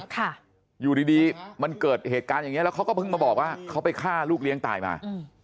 ค่ะอยู่ดีดีมันเกิดเหตุการณ์อย่างเงี้แล้วเขาก็เพิ่งมาบอกว่าเขาไปฆ่าลูกเลี้ยงตายมา